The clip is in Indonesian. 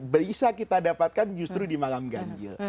bisa kita dapatkan justru di malam ganjil